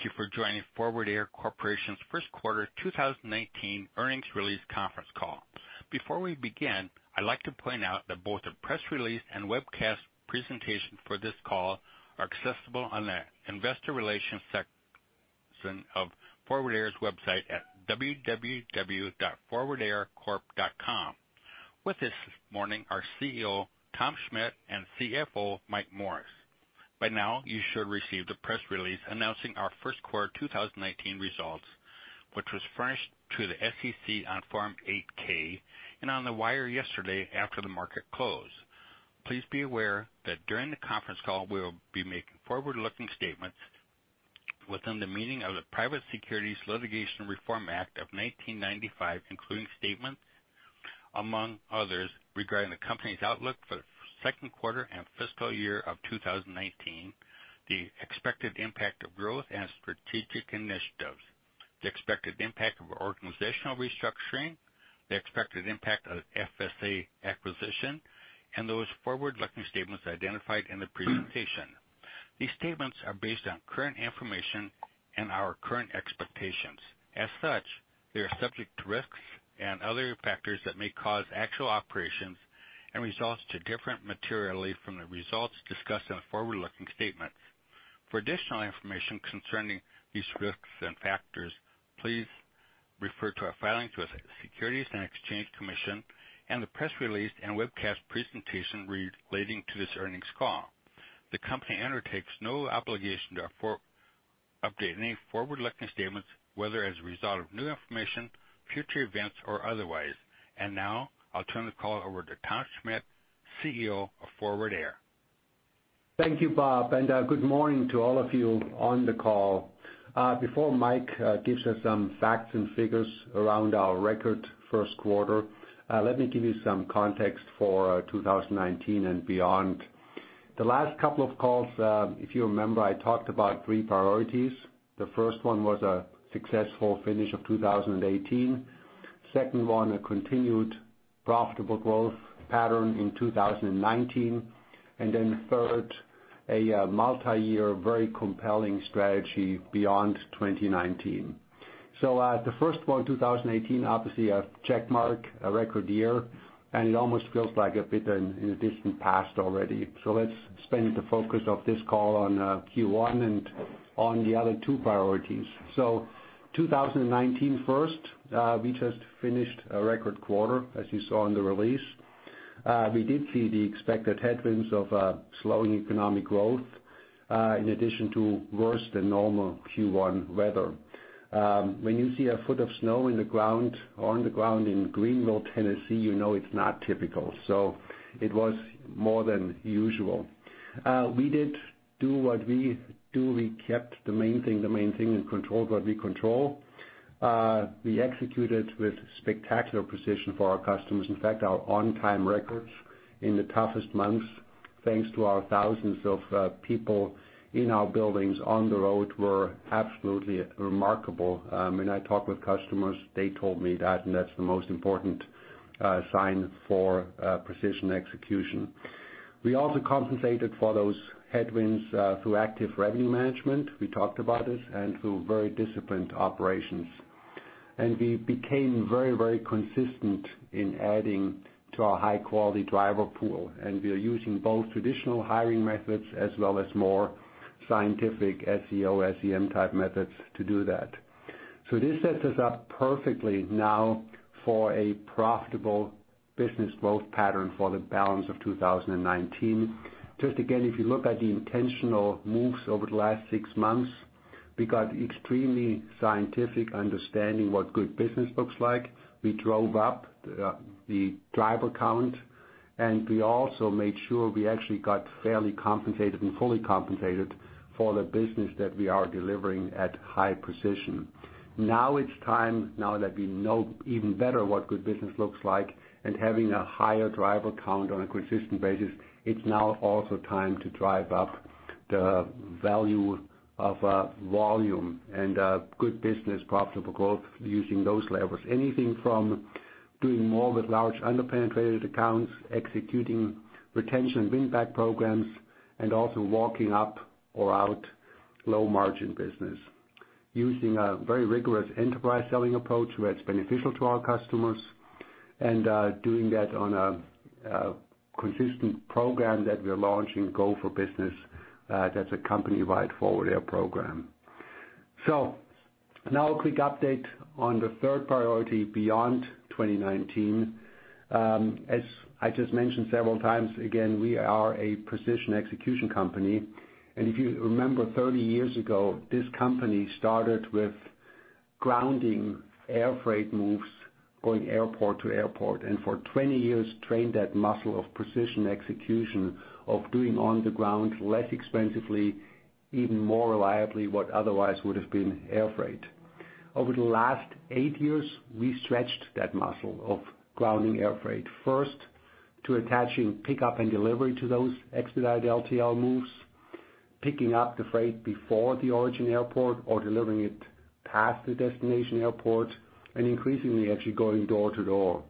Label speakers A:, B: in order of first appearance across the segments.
A: Thank you for joining Forward Air Corporation's first quarter 2019 earnings release conference call. Before we begin, I'd like to point out that both the press release and webcast presentation for this call are accessible on the investor relations section of Forward Air's website at www.forwardaircorp.com. With us this morning are CEO, Tom Schmitt, and CFO, Mike Morris. By now, you should receive the press release announcing our first quarter 2019 results, which was furnished to the SEC on Form 8-K, and on the wire yesterday after the market closed. Please be aware that during the conference call, we'll be making forward-looking statements within the meaning of the Private Securities Litigation Reform Act of 1995, including statements, among others, regarding the company's outlook for the second quarter and fiscal year of 2019, the expected impact of growth and strategic initiatives, the expected impact of organizational restructuring, the expected impact of FSA acquisition, and those forward-looking statements identified in the presentation. These statements are based on current information and our current expectations. As such, they are subject to risks and other factors that may cause actual operations and results to differ materially from the results discussed in the forward-looking statements. For additional information concerning these risks and factors, please refer to our filings with Securities and Exchange Commission and the press release and webcast presentation relating to this earnings call. The company undertakes no obligation to update any forward-looking statements, whether as a result of new information, future events, or otherwise. Now I'll turn the call over to Tom Schmitt, CEO of Forward Air.
B: Thank you, Bob, and good morning to all of you on the call. Before Mike gives us some facts and figures around our record first quarter, let me give you some context for 2019 and beyond. The last couple of calls, if you remember, I talked about three priorities. The first one was a successful finish of 2018. Second one, a continued profitable growth pattern in 2019. Then, third, a multi-year, very compelling strategy beyond 2019. The first one, 2018, obviously a check mark, a record year, and it almost feels like a bit in the distant past already. Let's spend the focus of this call on Q1 and on the other two priorities. 2019 first, we just finished a record quarter, as you saw in the release. We did see the expected headwinds of a slowing economic growth, in addition to worse-than-normal Q1 weather. When you see a foot of snow on the ground in Greenville, Tennessee, you know it's not typical. It was more than usual. We did do what we do. We kept the main thing the main thing, and controlled what we control. We executed with spectacular precision for our customers. In fact, our on-time records in the toughest months, thanks to our thousands of people in our buildings, on the road, were absolutely remarkable. When I talked with customers, they told me that, and that's the most important sign for precision execution. We also compensated for those headwinds through active revenue management, we talked about this, and through very disciplined operations. We became very consistent in adding to our high-quality driver pool. We are using both traditional hiring methods as well as more scientific SEO, SEM type methods to do that. This sets us up perfectly now for a profitable business growth pattern for the balance of 2019. Just again, if you look at the intentional moves over the last six months, we got extremely scientific understanding what good business looks like. We drove up the driver count, and we also made sure we actually got fairly compensated and fully compensated for the business that we are delivering at high precision. Now it's time, now that we know even better what good business looks like and having a higher driver count on a consistent basis, it's now also time to drive up the value of volume and good business profitable growth using those levers. Anything from doing more with large under-penetrated accounts, executing retention win-back programs, and also walking up or out low margin business using a very rigorous enterprise selling approach where it's beneficial to our customers and doing that on a consistent program that we are launching, Go For Business. That's a company-wide Forward Air program. Now a quick update on the third priority beyond 2019. As I just mentioned several times, again, we are a precision execution company. If you remember, 30 years ago, this company started with grounding air freight moves going airport to airport. For 20 years trained that muscle of precision execution of doing on the ground less expensively, even more reliably, what otherwise would have been air freight. Over the last eight years, we stretched that muscle of grounding air freight first to attaching pickup and delivery to those expedited LTL moves, picking up the freight before the origin airport or delivering it past the destination airport, and increasingly actually going door to door.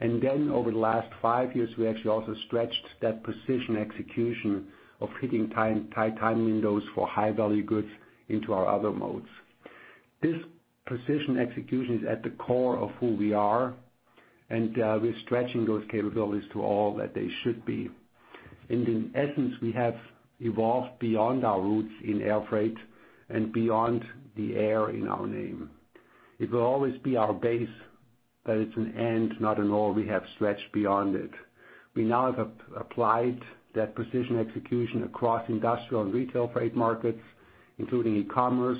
B: Then, over the last five years, we actually also stretched that precision execution of hitting tight time windows for high-value goods into our other modes. This precision execution is at the core of who we are, and we're stretching those capabilities to all that they should be. In essence, we have evolved beyond our roots in air freight and beyond the air in our name. It will always be our base, but it's an end, not an all. We have stretched beyond it. We now have applied that precision execution across industrial and retail freight markets, including e-commerce.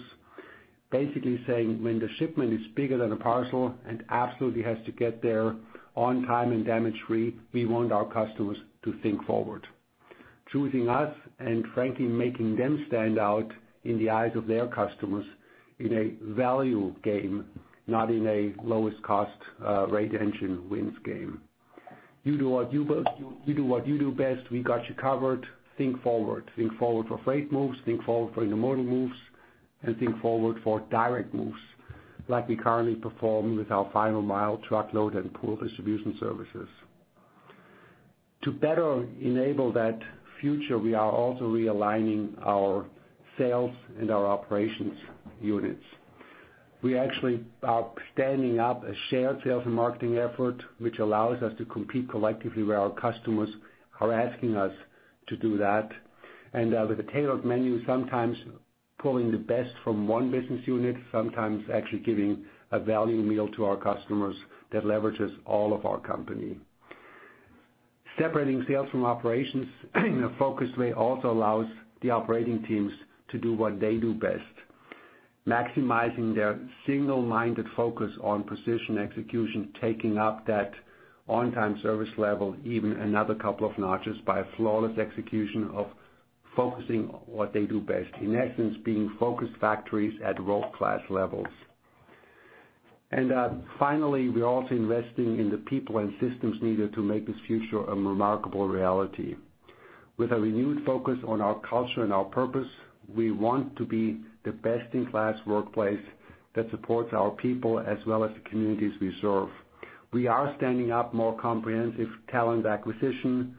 B: Basically saying, when the shipment is bigger than a parcel and absolutely has to get there on time and damage-free, we want our customers to think Forward. Frankly, making them stand out in the eyes of their customers in a value game, not in a lowest cost, rate engine wins game. You do what you do best. We got you covered. Think Forward. Think Forward for freight moves, think Forward for intermodal moves, and think Forward for direct moves like we currently perform with our final mile truckload and Pool Distribution services. To better enable that future, we are also realigning our sales and our operations units. We actually are standing up a shared sales and marketing effort, which allows us to compete collectively where our customers are asking us to do that. With a tailored menu, sometimes pulling the best from one business unit, sometimes actually giving a value meal to our customers that leverages all of our company. Separating sales from operations in a focused way also allows the operating teams to do what they do best, maximizing their single-minded focus on precision execution, taking up that on-time service level even another couple of notches by a flawless execution of focusing on what they do best. In essence, being focused factories at world-class levels. Finally, we're also investing in the people and systems needed to make this future a remarkable reality. With a renewed focus on our culture and our purpose, we want to be the best-in-class workplace that supports our people as well as the communities we serve. We are standing up more comprehensive talent acquisition,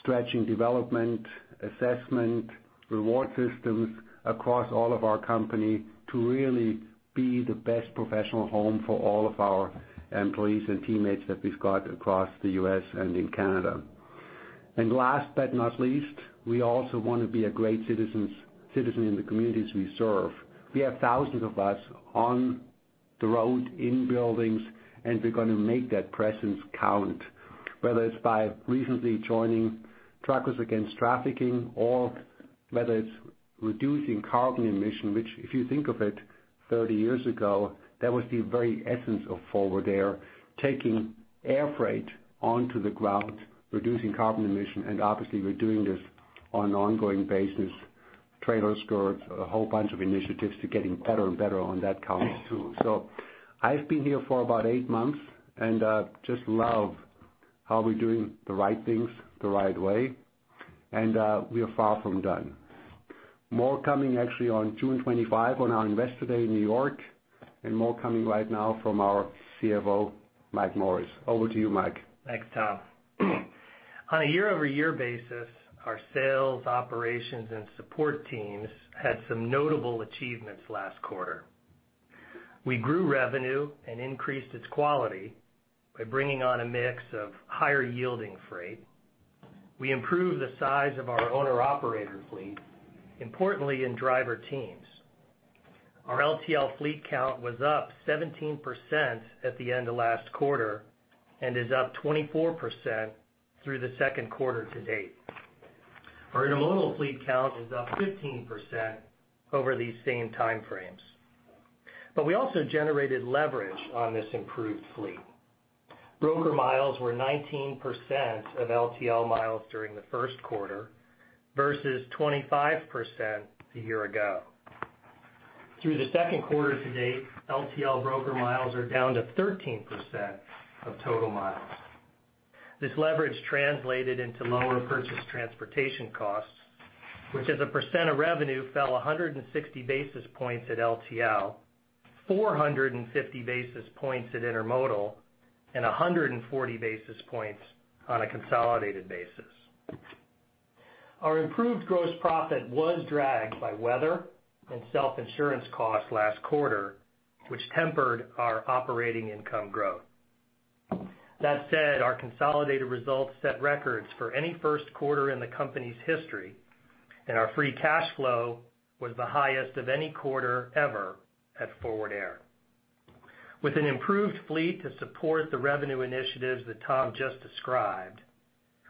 B: stretching development, assessment, reward systems across all of our company to really be the best professional home for all of our employees and teammates that we've got across the U.S. and in Canada. Last but not least, we also want to be great citizen in the communities we serve. We have thousands of us on the road, in buildings, and we're going to make that presence count, whether it's by recently joining Truckers Against Trafficking, or whether it's reducing carbon emission, which, if you think of it, 30 years ago, that was the very essence of Forward Air, taking air freight onto the ground, reducing carbon emission. Obviously, we're doing this on an ongoing basis. Trailer skirts, a whole bunch of initiatives to getting better and better on that count. I've been here for about eight months, and just love how we're doing the right things the right way, and we are far from done. More coming actually on June 25 on our Investor Day in New York, and more coming right now from our CFO, Mike Morris. Over to you, Mike.
C: Thanks, Tom. On a year-over-year basis, our sales, operations, and support teams had some notable achievements last quarter. We grew revenue and increased its quality by bringing on a mix of higher-yielding freight. We improved the size of our owner-operator fleet, importantly, in driver teams. Our LTL fleet count was up 17% at the end of last quarter and is up 24% through the second quarter to date. Our intermodal fleet count is up 15% over these same time frames. We also generated leverage on this improved fleet. Broker miles were 19% of LTL miles during the first quarter versus 25% a year ago. Through the second quarter to date, LTL broker miles are down to 13% of total miles. This leverage translated into lower purchased transportation costs, which as a percent of revenue fell 160 basis points at LTL, 450 basis points at intermodal, and 140 basis points on a consolidated basis. Our improved gross profit was dragged by weather and self-insurance costs last quarter, which tempered our operating income growth. Our consolidated results set records for any first quarter in the company's history, and our free cash flow was the highest of any quarter ever at Forward Air. With an improved fleet to support the revenue initiatives that Tom just described,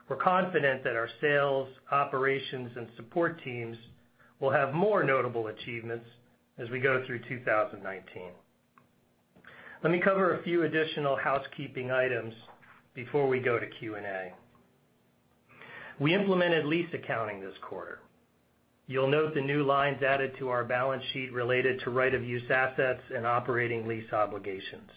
C: we're confident that our sales, operations, and support teams will have more notable achievements as we go through 2019. Let me cover a few additional housekeeping items before we go to Q&A. We implemented lease accounting this quarter. You'll note the new lines added to our balance sheet related to right-of-use assets and operating lease obligations.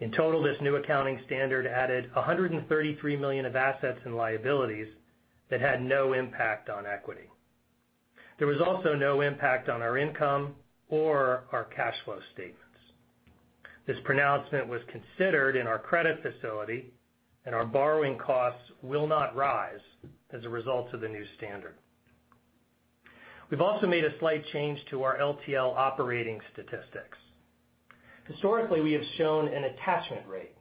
C: In total, this new accounting standard added $133 million of assets and liabilities that had no impact on equity. There was also no impact on our income or our cash flow statements. This pronouncement was considered in our credit facility, and our borrowing costs will not rise as a result of the new standard. We've also made a slight change to our LTL operating statistics. Historically, we have shown an attachment rate,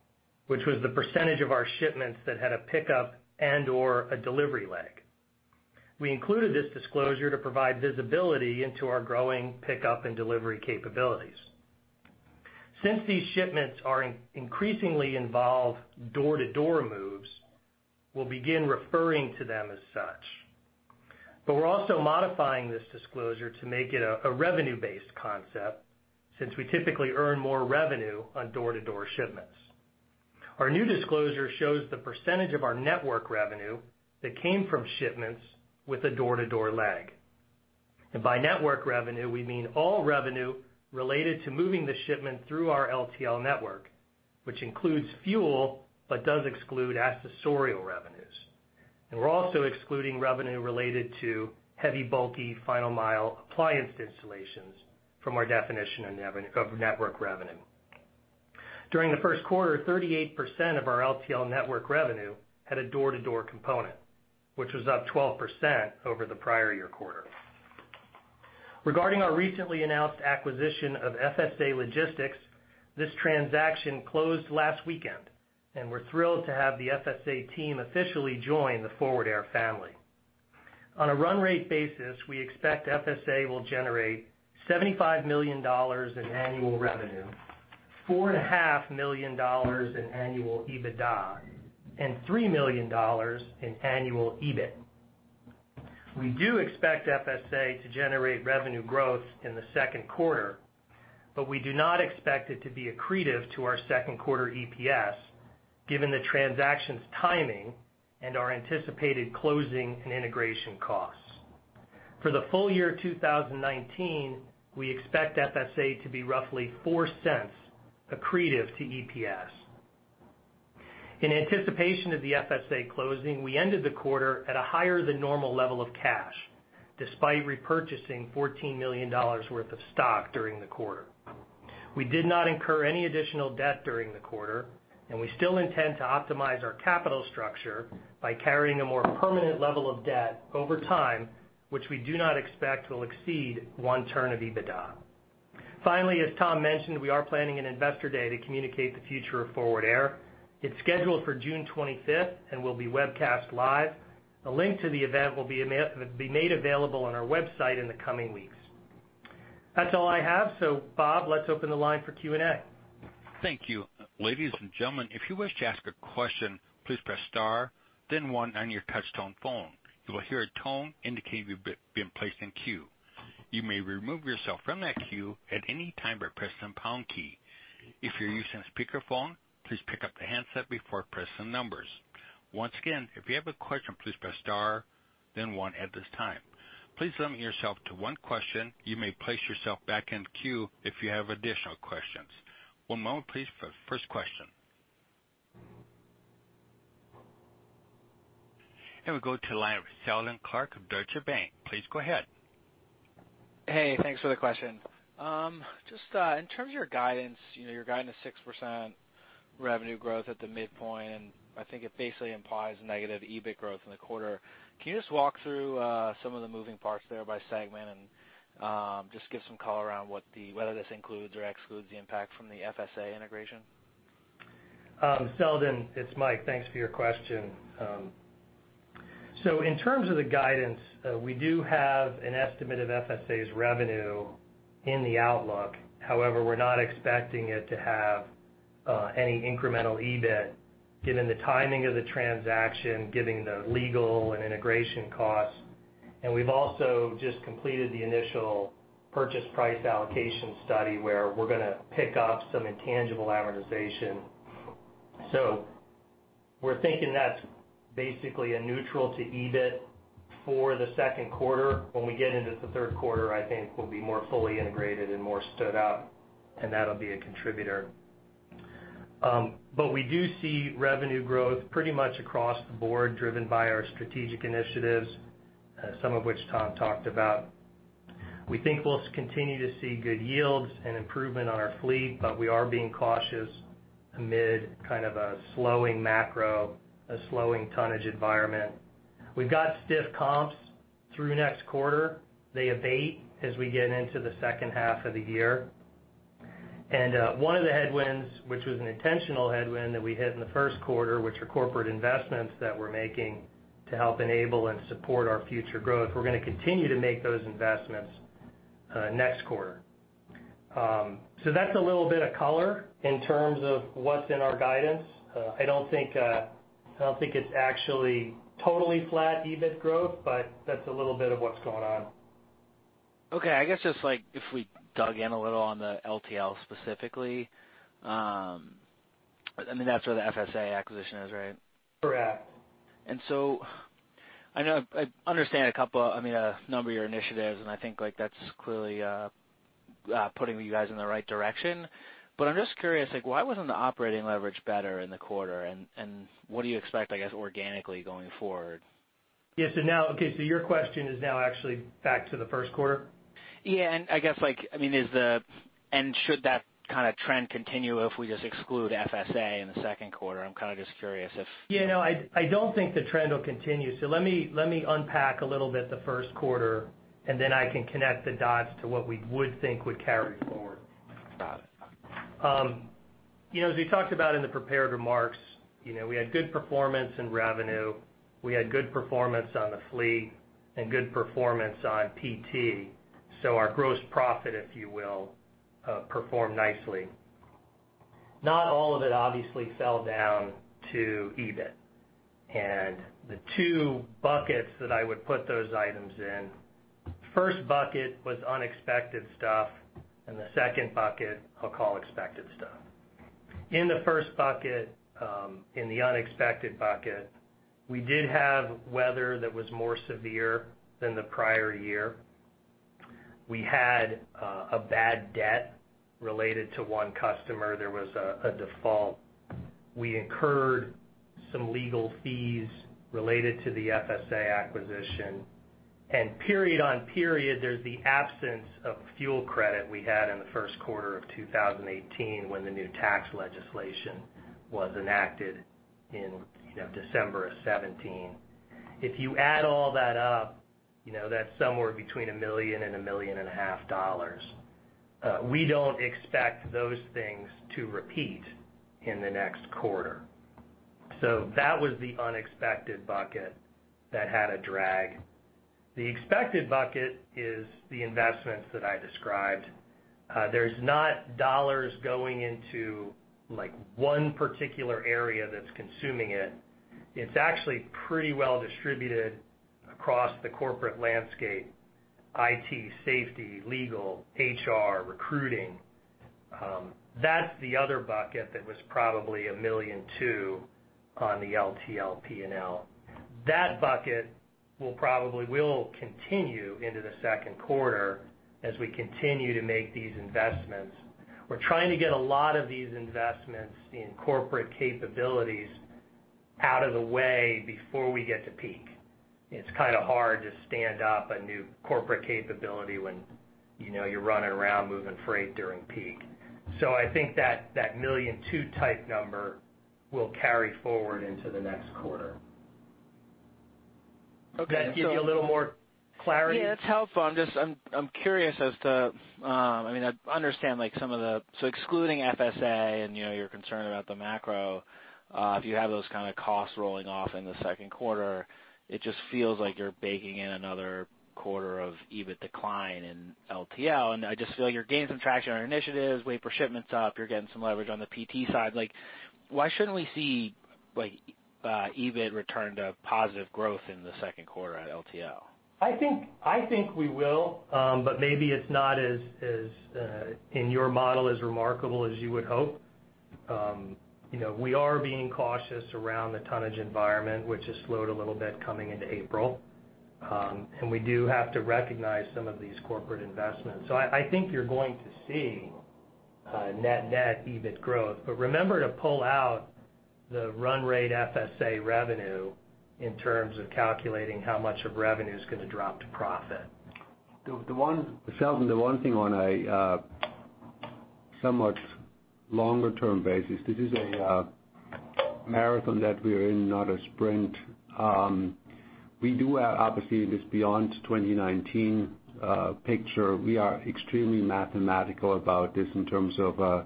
C: which was the percentage of our shipments that had a pickup and/or a delivery leg. We included this disclosure to provide visibility into our growing pickup and delivery capabilities. Since these shipments are increasingly involved in door-to-door moves, we'll begin referring to them as such. We're also modifying this disclosure to make it a revenue-based concept since we typically earn more revenue on door-to-door shipments. Our new disclosure shows the percentage of our network revenue that came from shipments with a door-to-door leg. By network revenue, we mean all revenue related to moving the shipment through our LTL network, which includes fuel, but does exclude accessorial revenues. We're also excluding revenue related to heavy, bulky final-mile appliance installations from our definition of network revenue. During the first quarter, 38% of our LTL network revenue had a door-to-door component, which was up 12% over the prior year quarter. Regarding our recently announced acquisition of FSA Logistix, this transaction closed last weekend, and we're thrilled to have the FSA team officially join the Forward Air family. On a run-rate basis, we expect FSA will generate $75 million in annual revenue, $4.5 million in annual EBITDA, and $3 million in annual EBIT. We do expect FSA to generate revenue growth in the second quarter, but we do not expect it to be accretive to our second quarter EPS, given the transaction's timing and our anticipated closing and integration costs. For the full year 2019, we expect FSA to be roughly $0.04 accretive to EPS. In anticipation of the FSA closing, we ended the quarter at a higher than normal level of cash, despite repurchasing $14 million worth of stock during the quarter. We did not incur any additional debt during the quarter, and we still intend to optimize our capital structure by carrying a more permanent level of debt over time, which we do not expect will exceed one turn of EBITDA. As Tom mentioned, we are planning an investor day to communicate the future of Forward Air. It's scheduled for June 25th and will be webcast live. A link to the event will be made available on our website in the coming weeks. That's all I have. Bob, let's open the line for Q&A.
A: Thank you. Ladies and gentlemen, if you wish to ask a question, please press star then one on your touch-tone phone. You will hear a tone indicating you've been placed in queue. You may remove yourself from that queue at any time by pressing pound key. If you're using a speakerphone, please pick up the handset before pressing numbers. Once again, if you have a question, please press star then one at this time. Please limit yourself to one question. You may place yourself back in queue if you have additional questions. One moment please for the first question. We go to the line of Seldon Clarke of Deutsche Bank. Please go ahead.
D: Hey, thanks for the question. Just in terms of your guidance, your guidance is 6% revenue growth at the midpoint, and I think it basically implies negative EBIT growth in the quarter. Can you just walk through some of the moving parts there by segment and just give some color around whether this includes or excludes the impact from the FSA integration?
C: Seldon, it's Mike. Thanks for your question. In terms of the guidance, we do have an estimate of FSA's revenue in the outlook. However, we're not expecting it to have any incremental EBIT given the timing of the transaction, given the legal and integration costs. We've also just completed the initial purchase price allocation study where we're going to pick up some intangible amortization. We're thinking that's basically a neutral to EBIT for the second quarter. When we get into the third quarter, I think we'll be more fully integrated and more stood up, and that'll be a contributor. We do see revenue growth pretty much across the board, driven by our strategic initiatives, some of which Tom talked about. We think we'll continue to see good yields and improvement on our fleet, but we are being cautious amid a slowing macro, a slowing tonnage environment. We've got stiff comps through next quarter. They abate as we get into the second half of the year. One of the headwinds, which was an intentional headwind that we hit in the first quarter, which is corporate investments that we're making to help enable and support our future growth, we're going to continue to make those investments next quarter. That's a little bit of color in terms of what's in our guidance. I don't think it's actually totally flat EBIT growth, but that's a little bit of what's going on.
D: Okay. I guess just if we dug in a little on the LTL specifically, I mean, that's where the FSA acquisition is, right?
C: Correct.
D: I understand a couple, I mean, a number of your initiatives, and I think that's clearly putting you guys in the right direction. I'm just curious, why wasn't the operating leverage better in the quarter? What do you expect, I guess, organically going forward?
C: Yes. Okay, your question is now actually back to the first quarter?
D: Yeah, I guess, should that kind of trend continue if we just exclude FSA in the second quarter? I'm kind of just curious.
C: Yeah. No, I don't think the trend will continue. Let me unpack a little bit the first quarter, and then I can connect the dots to what we would think would carry forward.
D: Got it.
C: As we talked about in the prepared remarks, we had good performance in revenue, we had good performance on the fleet, and good performance on PT. Our gross profit, if you will, performed nicely. Not all of it obviously fell down to EBIT. The two buckets that I would put those items in, first bucket was unexpected stuff, and the second bucket I'll call expected stuff. In the first bucket, in the unexpected bucket, we did have weather that was more severe than the prior year. We had a bad debt related to one customer. There was a default. We incurred some legal fees related to the FSA acquisition. Period on period, there's the absence of fuel credit we had in the first quarter of 2018 when the new tax legislation was enacted in December of 2017. If you add all that up, that's somewhere between $1 million and $1.5 million. We don't expect those things to repeat in the next quarter. That was the unexpected bucket that had a drag. The expected bucket is the investments that I described. There's not dollars going into one particular area that's consuming it. It's actually pretty well distributed across the corporate landscape, IT, safety, legal, HR, recruiting. That's the other bucket that was probably $1.2 million on the LTL P&L. That bucket will continue into the second quarter as we continue to make these investments. We're trying to get a lot of these investments in corporate capabilities out of the way before we get to peak. It's kind of hard to stand up a new corporate capability when you're running around moving freight during peak. I think that the $1.2 million type number will carry forward into the next quarter.
D: Okay.
C: Does that give you a little more clarity?
D: Yeah, it's helpful. I'm curious as to, I understand some of the, so excluding FSA, and you're concerned about the macro, if you have those kind of costs rolling off in the second quarter, it just feels like you're baking in another quarter of EBIT decline in LTL. I just feel you're gaining some traction on initiatives, weight per shipment's up, you're getting some leverage on the PT side. Why shouldn't we see EBIT return to positive growth in the second quarter at LTL?
C: I think we will. Maybe it's not, in your model, as remarkable as you would hope. We are being cautious around the tonnage environment, which has slowed a little bit coming into April. We do have to recognize some of these corporate investments. I think you're going to see net EBIT growth. Remember to pull out the run rate FSA revenue in terms of calculating how much of revenue is going to drop to profit.
B: Seldon, the one thing on a somewhat longer-term basis, this is a marathon that we are in, not a sprint. We do have, obviously, this beyond 2019 picture. We are extremely mathematical about this in terms of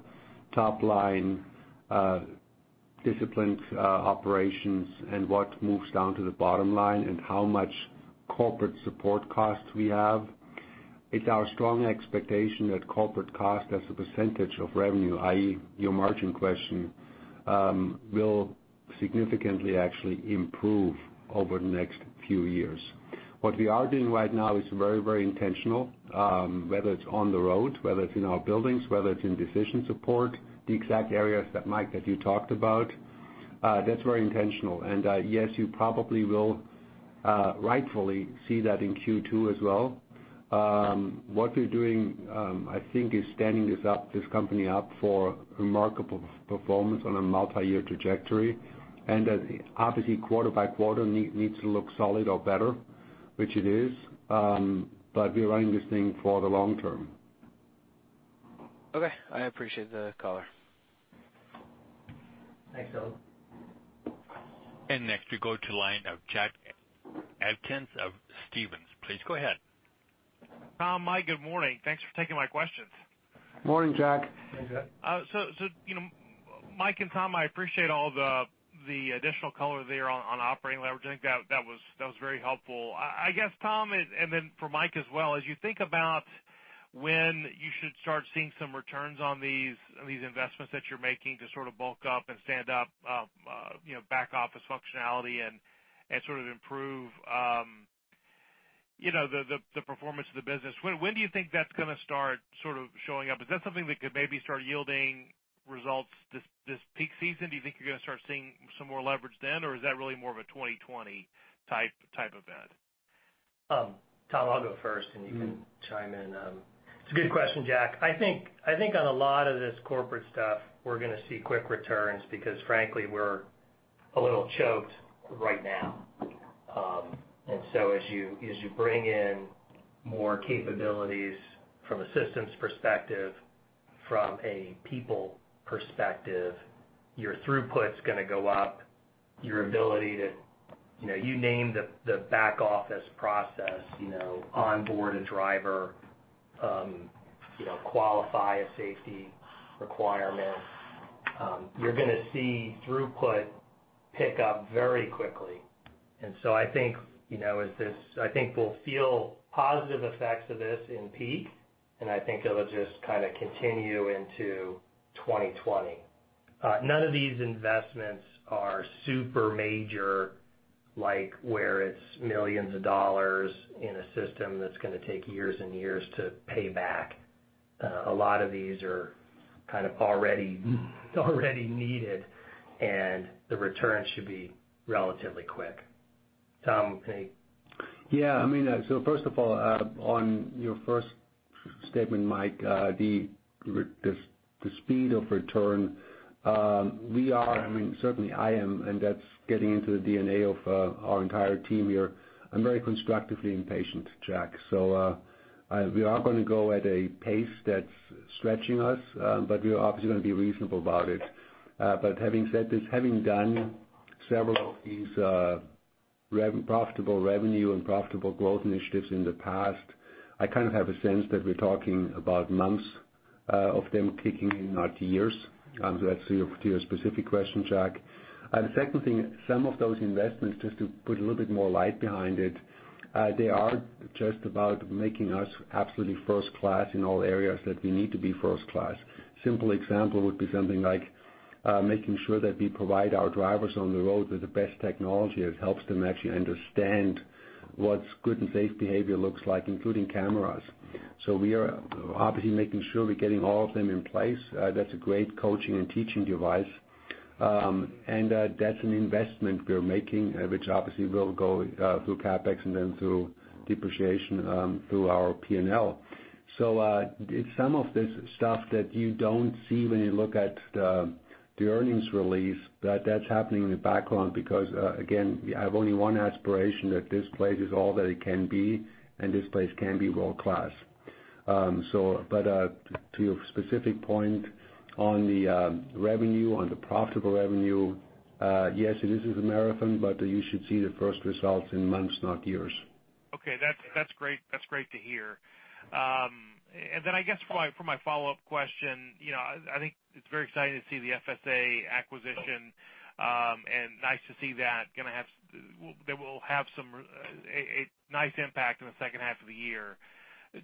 B: top-line discipline operations and what moves down to the bottom line, and how much corporate support costs we have. It's our strong expectation that corporate cost as a percentage of revenue, i.e., your margin question, will significantly actually improve over the next few years. What we are doing right now is very intentional, whether it's on the road, whether it's in our buildings, whether it's in decision support, the exact areas that Mike, that you talked about. That's very intentional. Yes, you probably will rightfully see that in Q2 as well. What we're doing, I think, is standing this company up for remarkable performance on a multi-year trajectory. Obviously quarter by quarter needs to look solid or better, which it is. We are running this thing for the long term.
D: Okay. I appreciate the color.
C: Thanks, Seldon.
A: Next, we go to line of Jack Atkins of Stephens. Please go ahead.
E: Tom, Mike, good morning. Thanks for taking my questions.
B: Morning, Jack.
C: Hey, Jack.
E: Mike and Tom, I appreciate all the additional color there on operating leverage. I think that was very helpful. I guess, Tom, and then for Mike as well, as you think about when you should start seeing some returns on these investments that you're making to sort of bulk up and stand up back office functionality and sort of improve the performance of the business, when do you think that's going to start sort of showing up? Is that something that could maybe start yielding results this peak season? Do you think you're going to start seeing some more leverage then, or is that really more of a 2020 type of event?
C: Tom, I'll go first, and you can chime in. It's a good question, Jack. I think on a lot of this corporate stuff, we're going to see quick returns because frankly, we're a little choked right now. As you bring in more capabilities from a systems perspective, from a people perspective, your throughput's going to go up. You name the back office process, onboard a driver, qualify a safety requirement, you're going to see throughput pick up very quickly. I think we'll feel positive effects of this in peak, and I think it'll just continue into 2020. None of these investments are super major, like where it's millions of dollars in a system that's going to take years and years to pay back. A lot of these are already needed, and the returns should be relatively quick. Tom, anything?
B: Yeah. First of all, on your first statement, Mike, the speed of return, we are, certainly, I am, and that's getting into the DNA of our entire team here. I'm very constructively impatient, Jack. We are going to go at a pace that's stretching us, but we are obviously going to be reasonable about it. Having said this, having done several of these profitable revenue and profitable growth initiatives in the past, I have a sense that we're talking about months of them kicking in, not years. To your specific question, Jack. The second thing, some of those investments, just to put a little bit more light behind it, they are just about making us absolutely first class in all areas that we need to be first class. Simple example would be something like making sure that we provide our drivers on the road with the best technology that helps them actually understand what good and safe behavior looks like, including cameras. We are obviously making sure we're getting all of them in place. That's a great coaching and teaching device. That's an investment we're making, which obviously will go through CapEx and then through depreciation through our P&L. Some of this stuff that you don't see when you look at the earnings release, that's happening in the background because, again, I have only one aspiration that this place is all that it can be, and this place can be world-class. To your specific point on the revenue, on the profitable revenue, yes, it is a marathon, but you should see the first results in months, not years.
E: Okay. That's great to hear. I guess for my follow-up question, I think it's very exciting to see the FSA acquisition, and nice to see that will have a nice impact on the second half of the year.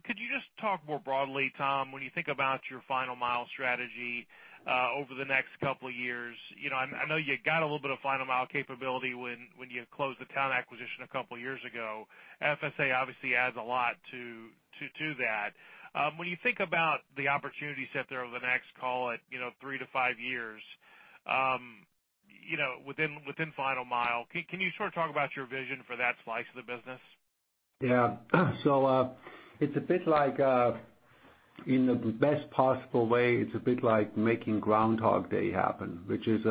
E: Could you just talk more broadly, Tom, when you think about your final mile strategy over the next couple of years? I know you got a little bit of final mile capability when you closed the Towne acquisition a couple of years ago. FSA obviously adds a lot to that. When you think about the opportunity set there over the next, call it, three to five years within final mile, can you sort of talk about your vision for that slice of the business?
B: Yeah. It's a bit like, in the best possible way, it's a bit like making "Groundhog Day" happen, which is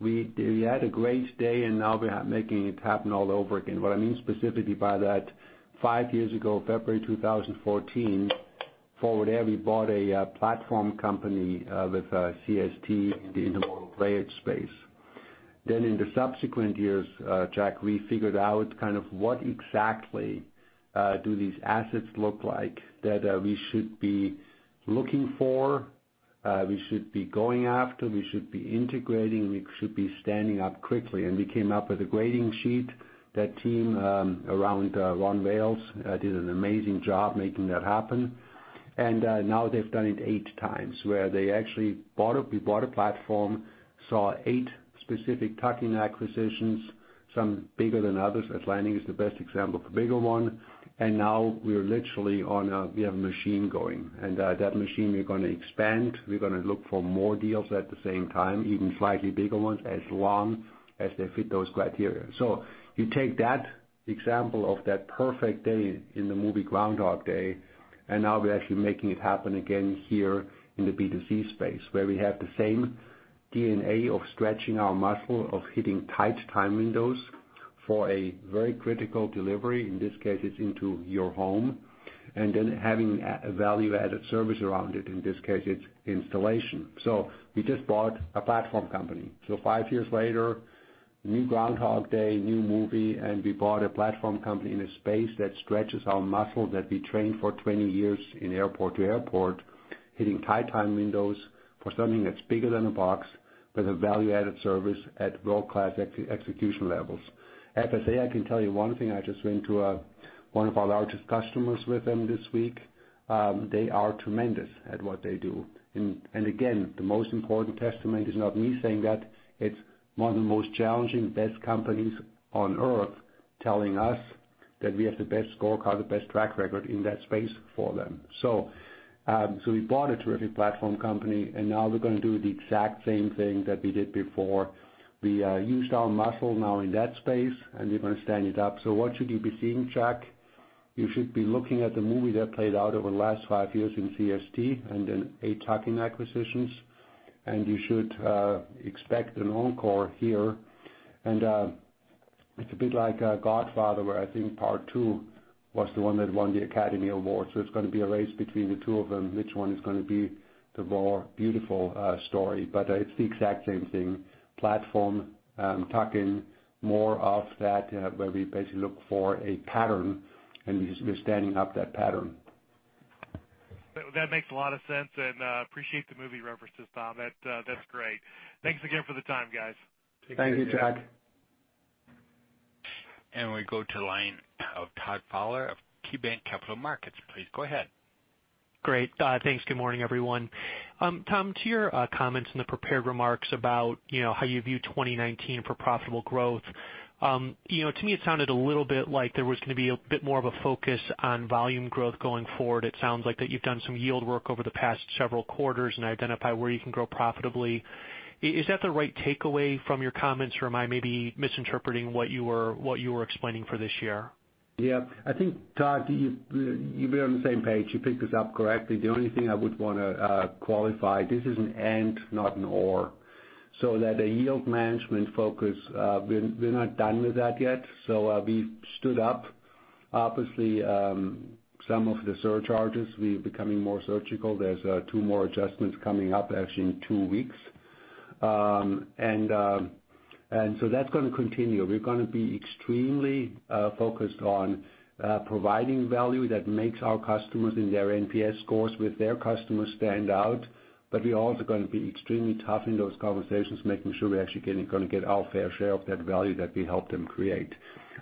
B: we had a great day, and now we are making it happen all over again. What I mean specifically by that, five years ago, February 2014, Forward Air, we bought a platform company with CST in the intermodal rail space. In the subsequent years, Jack, we figured out kind of what exactly do these assets look like that we should be looking for, we should be going after, we should be integrating, we should be standing up quickly. We came up with a grading sheet. That team around Ron Vales did an amazing job making that happen. Now they've done it eight times, where they actually bought a platform, saw eight specific tuck-in acquisitions, some bigger than others. Atlantic is the best example of a bigger one. Now we have a machine going, and that machine, we're going to expand. We're going to look for more deals at the same time, even slightly bigger ones, as long as they fit those criteria. You take that example of that perfect day in the movie "Groundhog Day," and now we're actually making it happen again here in the B2C space, where we have the same DNA of stretching our muscle, of hitting tight time windows for a very critical delivery. In this case, it's into your home. Then having a value-added service around it. In this case, it's installation. We just bought a platform company. Five years later, new "Groundhog Day," new movie, we bought a platform company in a space that stretches our muscle that we trained for 20 years in airport to airport, hitting tight time windows for something that's bigger than a box with a value-added service at world-class execution levels. FSA, I can tell you one thing. I just went to one of our largest customers with them this week. They are tremendous at what they do. Again, the most important testament is not me saying that, it's one of the most challenging, best companies on Earth telling us that we have the best scorecard, the best track record in that space for them. We bought a terrific platform company, now we're going to do the exact same thing that we did before. We used our muscle now in that space, we're going to stand it up. What should you be seeing, Jack? You should be looking at the movie that played out over the last five years in CST then eight tuck-in acquisitions, you should expect an encore here. It's a bit like "The Godfather," where I think Part II was the one that won the Academy Award. It's going to be a race between the two of them, which one is going to be the more beautiful story. It's the exact same thing. Platform, tuck-in, more of that, where we basically look for a pattern, we're standing up that pattern.
E: That makes a lot of sense, appreciate the movie references, Tom. That's great. Thanks again for the time, guys.
B: Thank you, Jack.
A: We go to line of Todd Fowler of KeyBanc Capital Markets. Please go ahead.
F: Great. Thanks. Good morning, everyone. Tom, to your comments in the prepared remarks about how you view 2019 for profitable growth. To me, it sounded a little bit like there was going to be a bit more of a focus on volume growth going forward. It sounds like that you've done some yield work over the past several quarters and identified where you can grow profitably. Is that the right takeaway from your comments, or am I maybe misinterpreting what you were explaining for this year?
B: Yeah. I think, Todd, you've been on the same page. You picked this up correctly. The only thing I would want to qualify, this is an and, not an or. That a yield management focus, we're not done with that yet. We stood up. Obviously, some of the surcharges, we're becoming more surgical. There's two more adjustments coming up actually in two weeks. That's going to continue. We're going to be extremely focused on providing value that makes our customers and their NPS scores with their customers stand out. We're also going to be extremely tough in those conversations, making sure we actually going to get our fair share of that value that we help them create.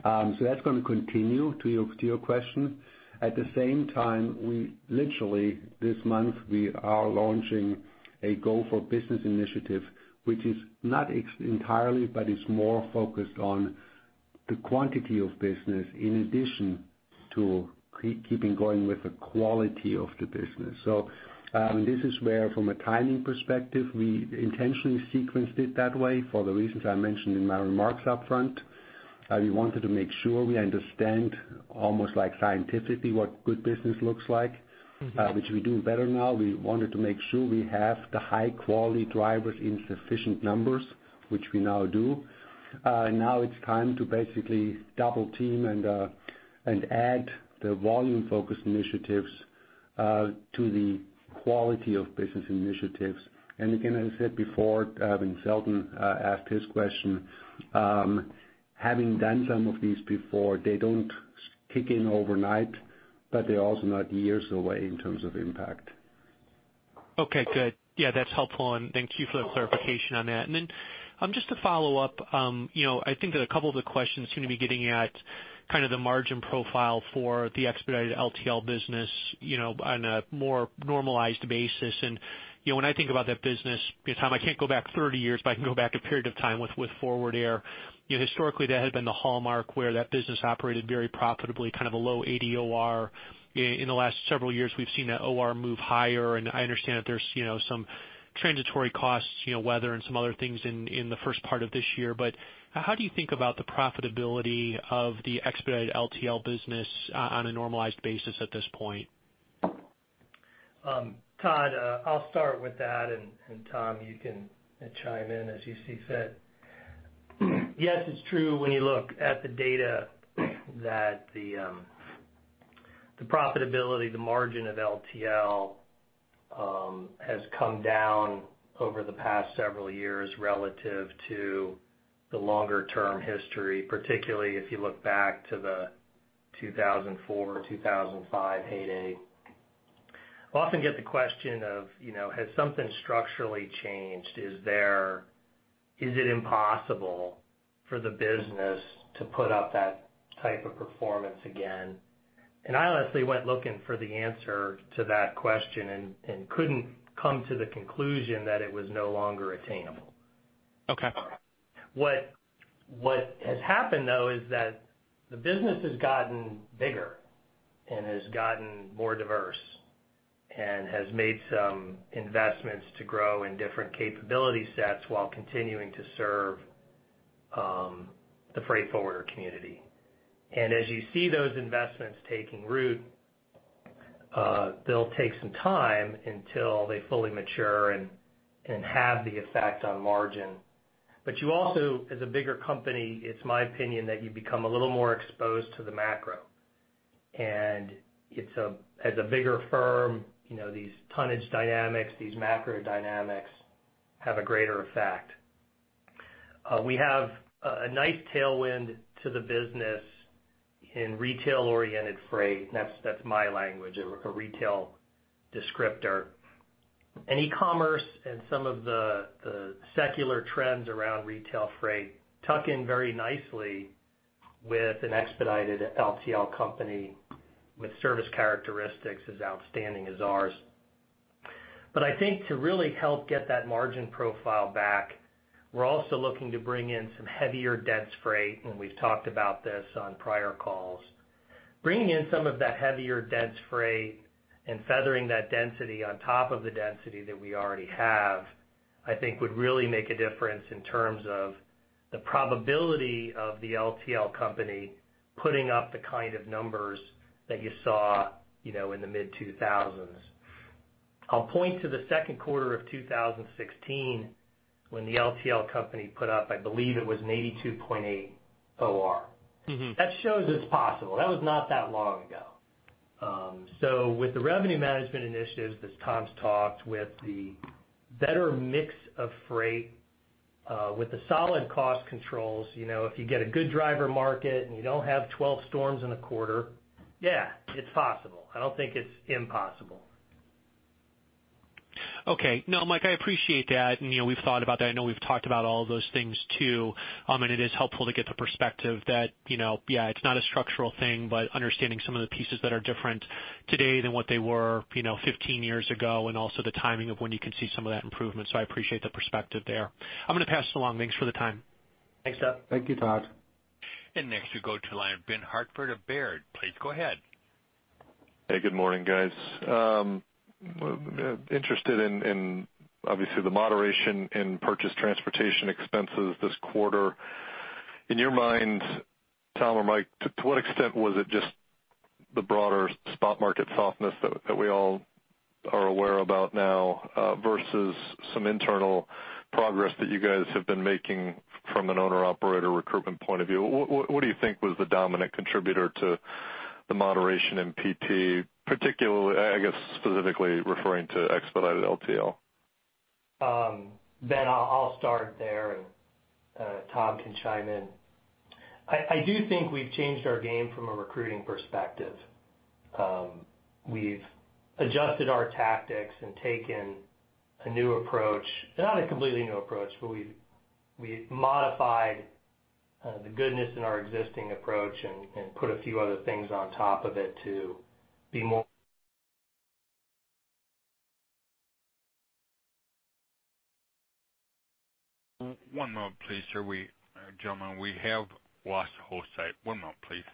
B: That's going to continue, to your question. At the same time, we literally, this month, we are launching a Go for Business initiative, which is not entirely, but is more focused on the quantity of business in addition to keeping going with the quality of the business. This is where, from a timing perspective, we intentionally sequenced it that way for the reasons I mentioned in my remarks up front. We wanted to make sure we understand almost like scientifically what good business looks like, which we do better now. We wanted to make sure we have the high-quality drivers in sufficient numbers, which we now do. Now it's time to basically double-team and add the volume-focused initiatives to the quality of business initiatives. Again, as I said before, when Seldon asked his question, having done some of these before, they don't kick in overnight, but they're also not years away in terms of impact.
F: Okay, good. Yeah, that's helpful, and thank you for the clarification on that. Then just to follow up, I think that a couple of the questions seem to be getting at the margin profile for the expedited LTL business on a more normalized basis. When I think about that business, Tom, I can't go back 30 years, but I can go back a period of time with Forward Air. Historically, that had been the hallmark where that business operated very profitably, a low OR. In the last several years, we've seen that OR move higher, and I understand that there's some transitory costs, weather and some other things in the first part of this year. How do you think about the profitability of the expedited LTL business on a normalized basis at this point?
C: Todd, I'll start with that. Tom, you can chime in as you see fit. Yes, it's true when you look at the data that the profitability, the margin of LTL, has come down over the past several years relative to the longer-term history, particularly if you look back to the 2004, 2005 heyday. We often get the question of has something structurally changed? Is it impossible for the business to put up that type of performance again? I honestly went looking for the answer to that question and couldn't come to the conclusion that it was no longer attainable.
F: Okay.
C: What has happened, though, is that the business has gotten bigger and has gotten more diverse and has made some investments to grow in different capability sets while continuing to serve the freight forwarder community. As you see those investments taking root, they'll take some time until they fully mature and have the effect on margin. You also, as a bigger company, it's my opinion that you become a little more exposed to the macro. As a bigger firm, these tonnage dynamics, these macro dynamics have a greater effect. We have a nice tailwind to the business in retail-oriented freight. That's my language, a retail descriptor. E-commerce and some of the secular trends around retail freight tuck in very nicely with an expedited LTL company with service characteristics as outstanding as ours. I think to really help get that margin profile back, we're also looking to bring in some heavier, denser freight, and we've talked about this on prior calls. Bringing in some of that heavier dense freight and feathering that density on top of the density that we already have, I think, would really make a difference in terms of the probability of the LTL company putting up the kind of numbers that you saw in the mid-2000s. I'll point to the second quarter of 2016 when the LTL company put up, I believe it was an 82.8 OR. That shows it's possible. That was not that long ago. With the revenue management initiatives that Tom's talked, with the better mix of freight, with the solid cost controls, if you get a good driver market and you don't have 12 storms in a quarter, yeah, it's possible. I don't think it's impossible.
F: Okay. No, Mike, I appreciate that, and we've thought about that. I know we've talked about all of those things, too. It is helpful to get the perspective that, yeah, it's not a structural thing, but understanding some of the pieces that are different today than what they were 15 years ago, and also the timing of when you can see some of that improvement. I appreciate the perspective there. I'm going to pass it along. Thanks for the time.
C: Thanks, Todd.
B: Thank you, Todd.
A: Next we go to the line of Ben Hartford of Baird. Please go ahead.
G: Hey, good morning, guys. Interested in, obviously, the moderation in purchased transportation expenses this quarter. In your minds, Tom or Mike, to what extent was it just the broader spot market softness that we all are aware about now, versus some internal progress that you guys have been making from an owner-operator recruitment point of view? What do you think was the dominant contributor to the moderation in PT, particularly, I guess specifically referring to expedited LTL?
C: Ben, I'll start there, and Tom can chime in. I do think we've changed our game from a recruiting perspective. We've adjusted our tactics and taken a new approach. Not a completely new approach, but we've modified the goodness in our existing approach and put a few other things on top of it to be more-
A: One moment please, gentlemen. We have lost the host site. One moment, please.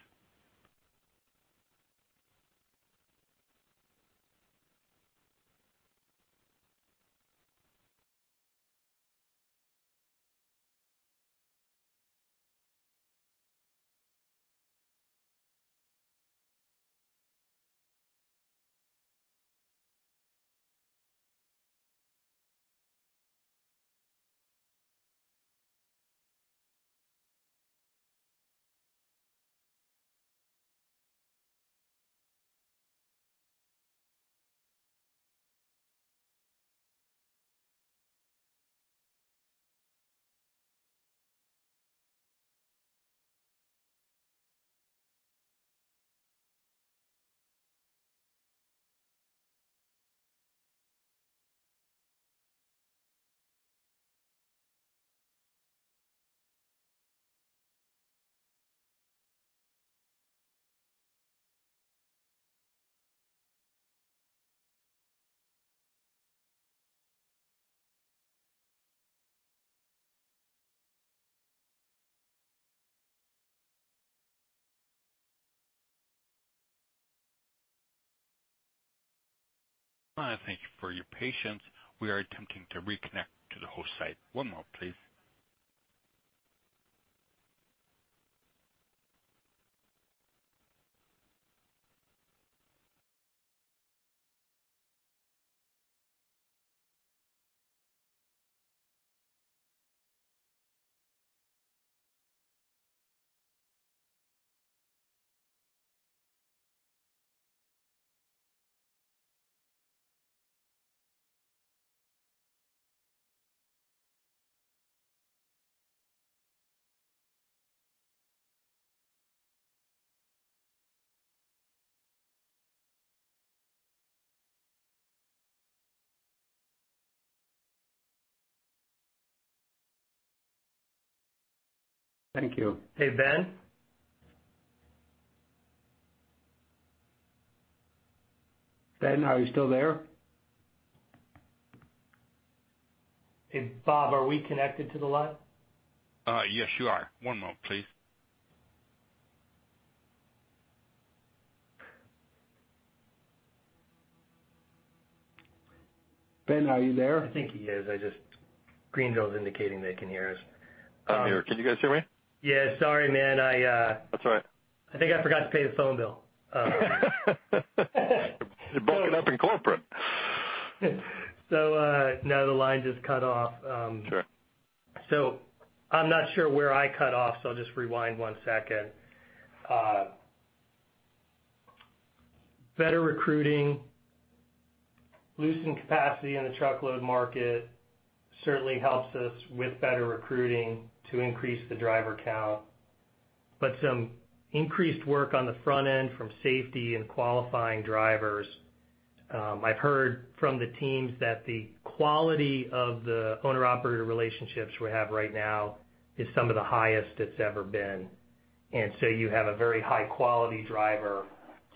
A: Thank you for your patience. We are attempting to reconnect to the host site. One moment please. Thank you.
C: Hey, Ben?
A: Ben, are you still there?
C: Hey, Bob, are we connected to the line?
A: Yes, you are. One moment please. Ben, are you there?
C: I think he is. Greenville is indicating they can hear us.
G: I'm here. Can you guys hear me?
C: Yeah. Sorry, man.
G: That's all right.
C: I think I forgot to pay the phone bill.
G: Broken up in Corporate.
C: No, the line just cut off.
G: Sure.
C: I'm not sure where I cut off, I'll just rewind one second. Better recruiting. Loosened capacity in the truckload market certainly helps us with better recruiting to increase the driver count. Some increased work on the front end from safety and qualifying drivers. I've heard from the teams that the quality of the owner-operator relationships we have right now is some of the highest it's ever been. You have a very high-quality driver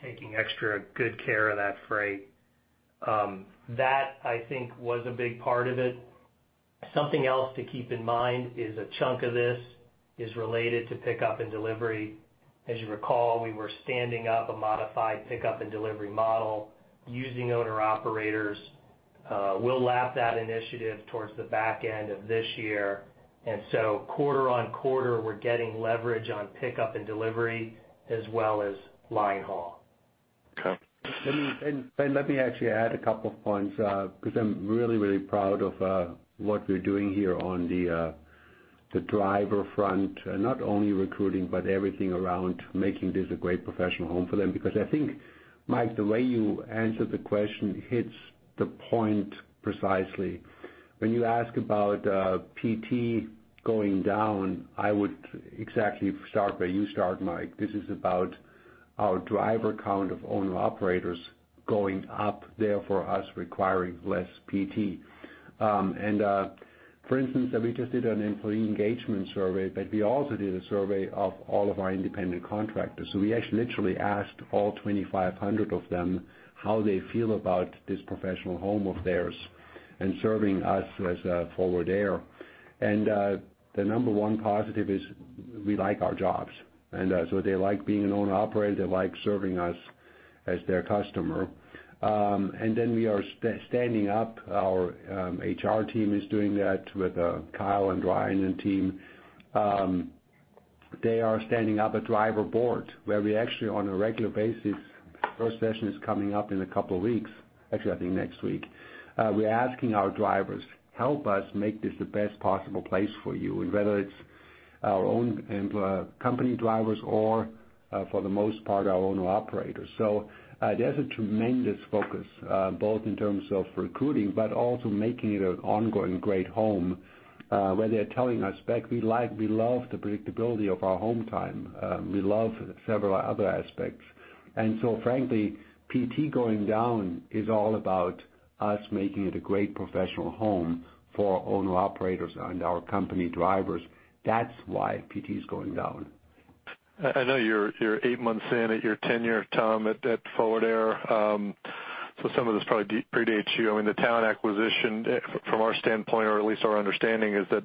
C: taking extra good care of that freight. That, I think, was a big part of it. Something else to keep in mind is a chunk of this is related to pickup and delivery. As you recall, we were standing up a modified pickup and delivery model using owner-operators. We'll lap that initiative towards the back end of this year. Quarter-on-quarter, we're getting leverage on pickup and delivery as well as line haul.
G: Okay.
B: Ben, let me actually add a couple of points, because I'm really, really proud of what we're doing here on the driver front. Not only recruiting, but everything around making this a great professional home for them. I think, Mike, the way you answered the question hits the point precisely. When you ask about PT going down, I would exactly start where you start, Mike. This is about our driver count of owner-operators going up, therefore, us requiring less PT. We just did an employee engagement survey, but we also did a survey of all of our independent contractors. We actually literally asked all 2,500 of them how they feel about this professional home of theirs and serving us as Forward Air. The number one positive is, we like our jobs. They like being an owner-operator. They like serving us as their customer. We are standing up, our HR team is doing that with Kyle and Ryan and team. They are standing up a driver board where we actually, on a regular basis, first session is coming up in a couple of weeks, actually, I think next week. We're asking our drivers, help us make this the best possible place for you. Whether it's our own company drivers or, for the most part, our owner-operators. There's a tremendous focus both in terms of recruiting, but also making it an ongoing great home, where they are telling us back, we love the predictability of our home time. We love several other aspects. Frankly, PT going down is all about us making it a great professional home for our owner-operators and our company drivers. That's why PT is going down.
G: I know you're eight months in at your tenure, Tom, at Forward Air. Some of this probably predates you. I mean, the Talent acquisition from our standpoint, or at least our understanding, is that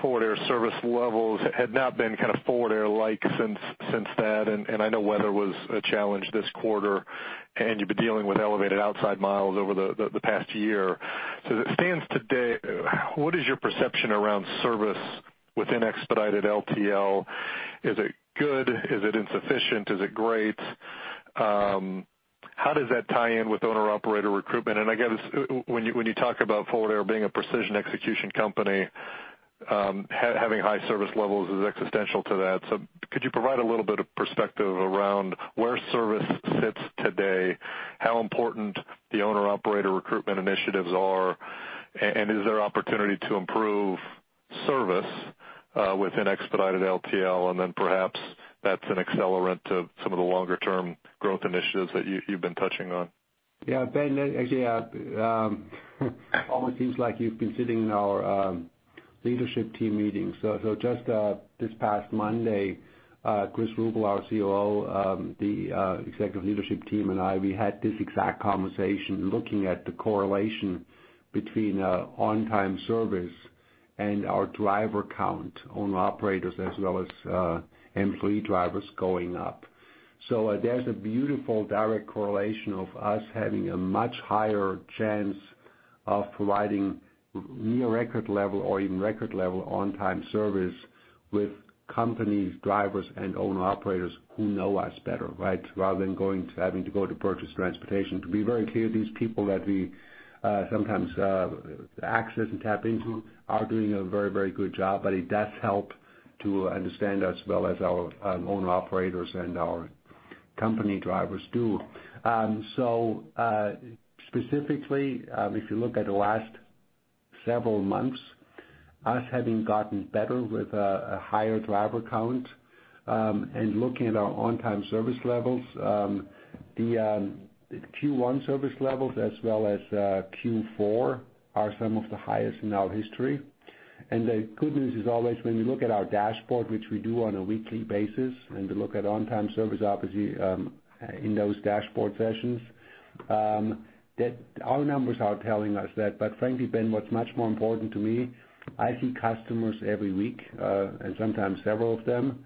G: Forward Air service levels had not been kind of Forward Air-like since that. I know weather was a challenge this quarter, and you've been dealing with elevated outside miles over the past year. As it stands today, what is your perception around service within Expedited LTL? Is it good? Is it insufficient? Is it great? How does that tie in with owner-operator recruitment? Again, when you talk about Forward Air being a precision execution company, having high service levels is existential to that. Could you provide a little bit of perspective around where service sits today, how important the owner operator recruitment initiatives are, and is there opportunity to improve service within Expedited LTL? Perhaps that's an accelerant to some of the longer-term growth initiatives that you've been touching on.
B: Ben, actually, almost seems like you've been sitting in our leadership team meetings. Just this past Monday, Chris Ruble, our COO, the executive leadership team, and I, we had this exact conversation, looking at the correlation between on-time service and our driver count, owner-operators as well as employee drivers going up. There's a beautiful direct correlation of us having a much higher chance of providing near record level or even record level on-time service with companies, drivers, and owner-operators who know us better, right? Rather than having to go to Purchased Transportation. To be very clear, these people that we sometimes access and tap into are doing a very good job. It does help to understand as well as our owner-operators and our company drivers do. Specifically, if you look at the last several months, us having gotten better with a higher driver count, and looking at our on-time service levels, the Q1 service levels as well as Q4 are some of the highest in our history. The good news is always when we look at our dashboard, which we do on a weekly basis, and we look at on-time service obviously in those dashboard sessions, that our numbers are telling us that. Frankly, Ben, what's much more important to me, I see customers every week, and sometimes several of them.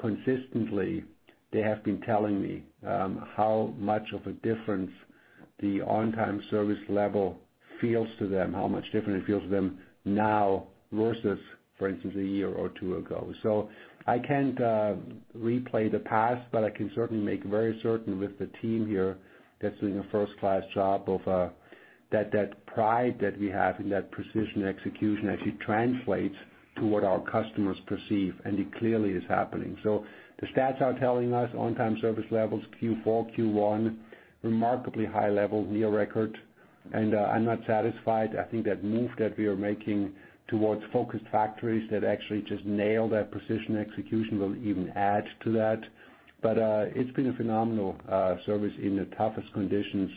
B: Consistently, they have been telling me how much of a difference the on-time service level feels to them, how much different it feels to them now versus, for instance, a year or two ago. I can't replay the past, but I can certainly make very certain with the team here that's doing a first-class job of that pride that we have in that precision execution actually translates to what our customers perceive, and it clearly is happening. The stats are telling us on-time service levels, Q4, Q1, remarkably high level, near record, I'm not satisfied. I think that move that we are making towards focused factories that actually just nail that precision execution will even add to that. It's been a phenomenal service in the toughest conditions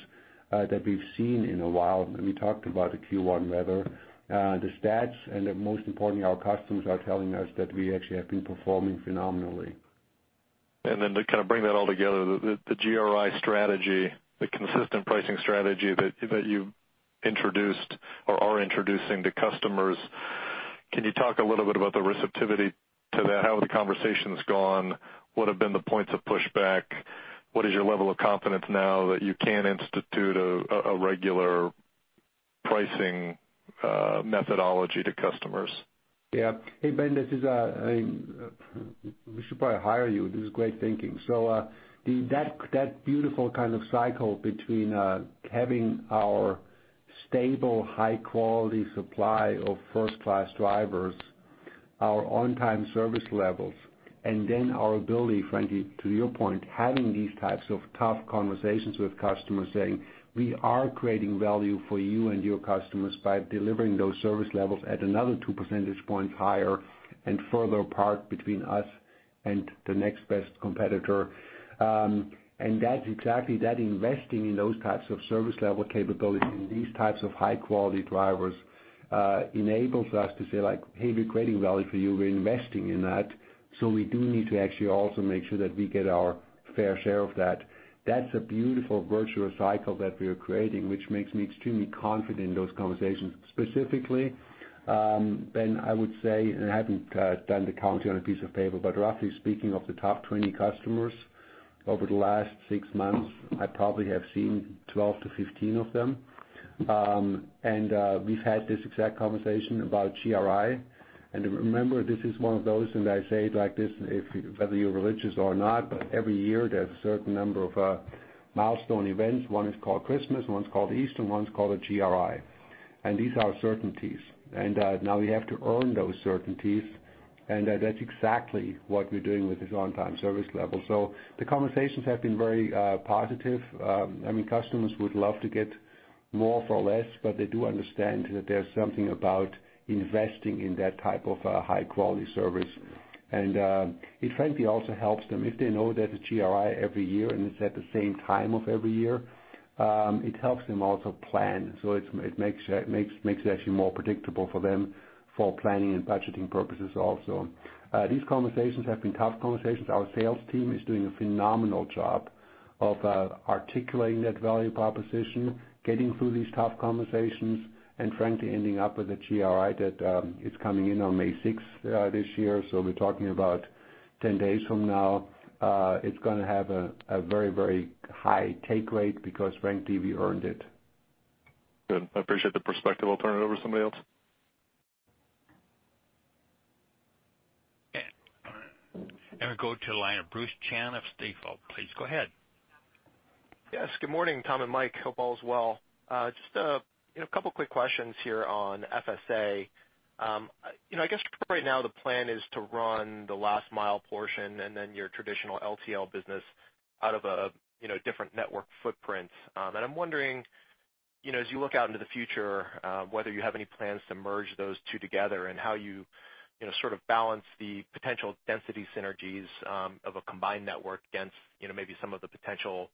B: that we've seen in a while. We talked about the Q1 weather, the stats, most importantly, our customers are telling us that we actually have been performing phenomenally.
G: To kind of bring that all together, the GRI strategy, the consistent pricing strategy that you introduced or are introducing to customers, can you talk a little bit about the receptivity to that? How have the conversations gone? What have been the points of pushback? What is your level of confidence now that you can institute a regular pricing methodology to customers?
B: Hey, Ben, we should probably hire you. This is great thinking. That beautiful kind of cycle between having our stable, high-quality supply of first-class drivers, our on-time service levels, and then our ability, frankly, to your point, having these types of tough conversations with customers saying, "We are creating value for you and your customers by delivering those service levels at another two percentage points higher and further apart between us and the next best competitor." That's exactly that. Investing in those types of service level capabilities and these types of high-quality drivers enables us to say, like, "Hey, we're creating value for you. We're investing in that. We do need to actually also make sure that we get our fair share of that." That's a beautiful virtuous cycle that we are creating, which makes me extremely confident in those conversations. Specifically, Ben, I would say I haven't done the counting on a piece of paper, but roughly speaking of the top 20 customers over the last six months, I probably have seen 12 to 15 of them. We've had this exact conversation about GRI. Remember, this is one of those, and I say it like this, whether you're religious or not, but every year there's a certain number of milestone events. One is called Christmas, one's called Easter, one's called a GRI, and these are certainties. Now we have to earn those certainties, and that's exactly what we're doing with this on-time service level. The conversations have been very positive. Customers would love to get more for less, but they do understand that there's something about investing in that type of high-quality service. It frankly also helps them if they know there's a GRI every year, and it's at the same time of every year. It helps them also plan. It makes it actually more predictable for them for planning and budgeting purposes, also. These conversations have been tough conversations. Our sales team is doing a phenomenal job of articulating that value proposition, getting through these tough conversations, and frankly, ending up with a GRI that is coming in on May sixth this year. We're talking about 10 days from now. It's going to have a very high take rate because, frankly, we earned it.
G: Good. I appreciate the perspective. I'll turn it over to somebody else.
A: We go to the line of Bruce Chan of Stifel. Please go ahead.
H: Good morning, Tom and Mike. Hope all is well. A couple of quick questions here on FSA. Right now the plan is to run the last mile portion and then your traditional LTL business out of different network footprints. I'm wondering, as you look out into the future, whether you have any plans to merge those two together and how you sort of balance the potential density synergies of a combined network against maybe some of the potential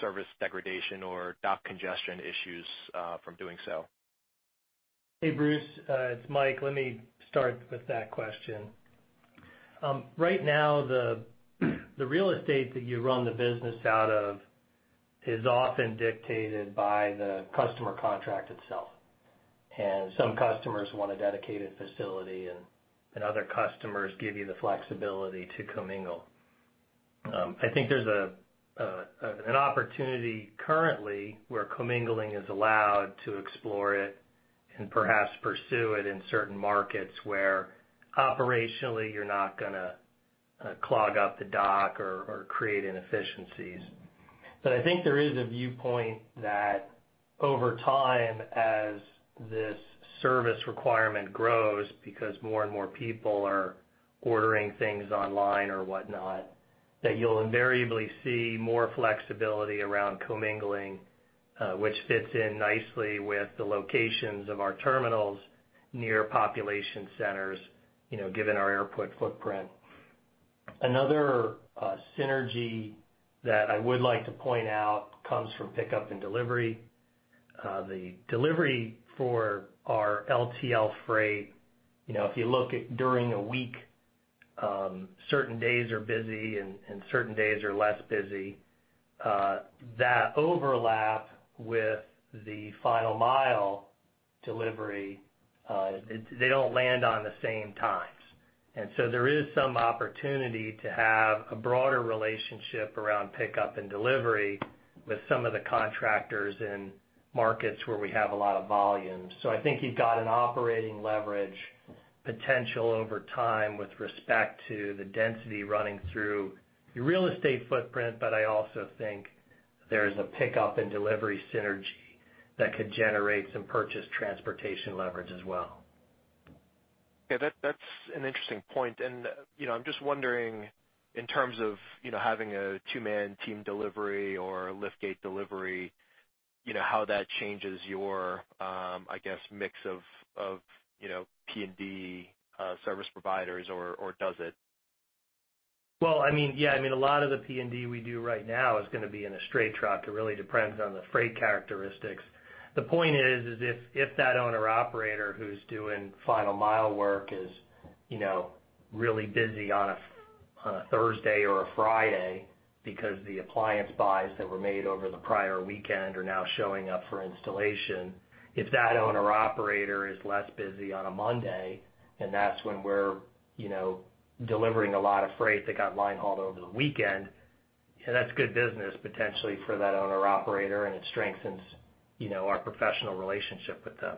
H: service degradation or dock congestion issues from doing so.
C: Hey, Bruce, it's Mike. Let me start with that question. Right now, the real estate that you run the business out of is often dictated by the customer contract itself. Some customers want a dedicated facility, and other customers give you the flexibility to commingle. I think there's an opportunity currently where commingling is allowed to explore it and perhaps pursue it in certain markets where operationally you're not going to clog up the dock or create inefficiencies. I think there is a viewpoint that over time, as this service requirement grows, because more and more people are ordering things online or whatnot, that you'll invariably see more flexibility around commingling, which fits in nicely with the locations of our terminals near population centers given our airport footprint. Another synergy that I would like to point out comes from pickup and delivery. The delivery for our LTL freight, if you look during a week, certain days are busy, and certain days are less busy. That overlap with the final mile delivery, they do not land on the same times. There is some opportunity to have a broader relationship around pickup and delivery with some of the contractors in markets where we have a lot of volume. I think you've got an operating leverage potential over time with respect to the density running through your real estate footprint. I also think there is a pickup in delivery synergy that could generate some purchase transportation leverage as well.
H: Yeah, that's an interesting point. I'm just wondering in terms of having a two-man team delivery or liftgate delivery, how that changes your, I guess, mix of P&D service providers, or does it?
C: Well, yeah, a lot of the P&D we do right now is going to be in a straight truck. It really depends on the freight characteristics. The point is that if that owner-operator who's doing final mile work is really busy on a Thursday or a Friday because the appliance buys that were made over the prior weekend are now showing up for installation. If that owner-operator is less busy on a Monday, that's when we're delivering a lot of freight that got line-hauled over the weekend, then that's good business, potentially, for that owner-operator, and it strengthens our professional relationship with them.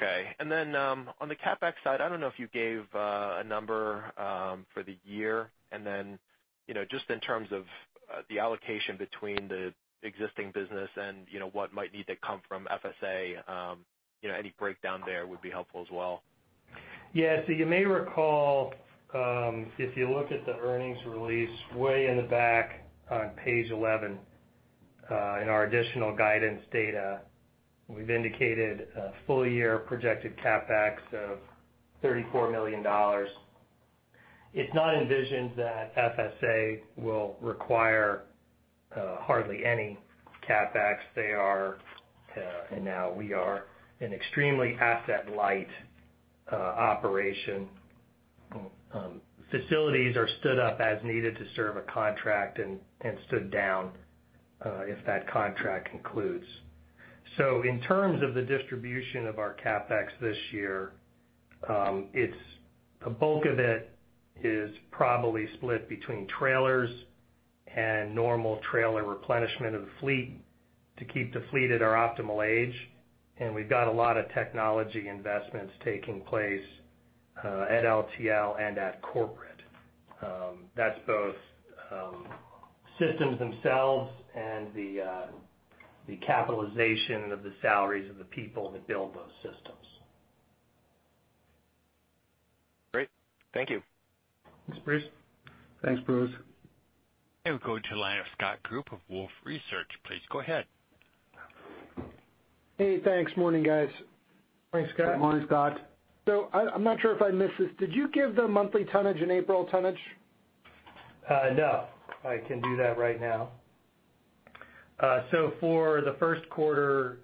H: Okay. Then, on the CapEx side, I don't know if you gave a number for the year. Then just in terms of the allocation between the existing business and what might need to come from FSA, any breakdown there would be helpful as well.
C: You may recall, if you look at the earnings release way in the back on page 11, in our additional guidance data, we've indicated a full-year projected CapEx of $34 million. It's not envisioned that FSA will require hardly any CapEx. They are, and now we are, an extremely asset-light operation. Facilities are stood up as needed to serve a contract and stood down if that contract concludes. In terms of the distribution of our CapEx this year, the bulk of it is probably split between trailers and normal trailer replenishment of the fleet to keep the fleet at our optimal age. We've got a lot of technology investments taking place, at LTL and at corporate. That's both systems themselves and the capitalization of the salaries of the people that build those systems.
H: Great. Thank you.
C: Thanks, Bruce.
B: Thanks, Bruce.
A: We'll go to the line of Scott Group of Wolfe Research. Please go ahead.
I: Hey, thanks. Morning, guys.
C: Morning, Scott.
B: Morning, Scott.
I: I'm not sure if I missed this. Did you give the monthly tonnage and April tonnage?
C: No. I can do that right now. For the first quarter,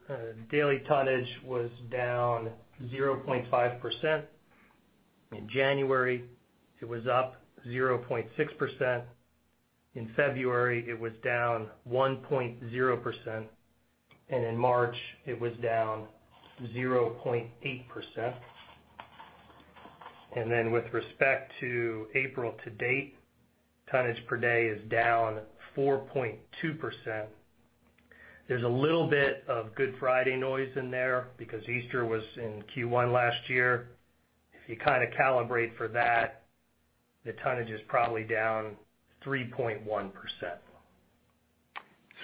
C: daily tonnage was down 0.5%. In January, it was up 0.6%. In February, it was down 1.0%, and in March, it was down 0.8%. With respect to April to date, tonnage per day is down 4.2%. There's a little bit of Good Friday noise in there because Easter was in Q1 last year. If you kind of calibrate for that, the tonnage is probably down 3.1%.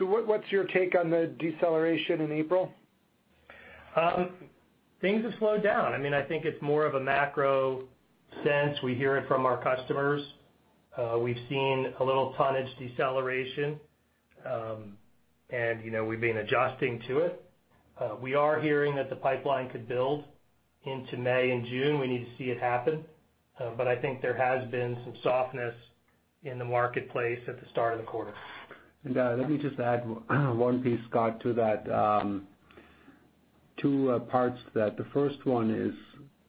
I: What's your take on the deceleration in April?
C: Things have slowed down. I think it's more of a macro sense. We hear it from our customers. We've seen a little tonnage deceleration. We've been adjusting to it. We are hearing that the pipeline could build into May and June. We need to see it happen. I think there has been some softness in the marketplace at the start of the quarter.
B: Let me just add one piece, Scott, to that. Two parts to that. The first one is,